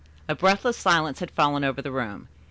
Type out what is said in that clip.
A breathless silence had fallen over the room.